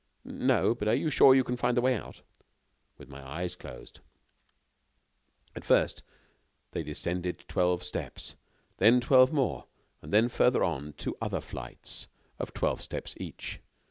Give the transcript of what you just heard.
"No, but are you sure you can find the way out?" "With my eyes closed." At first, they descended twelve steps, then twelve more, and, farther on, two other flights of twelve steps each.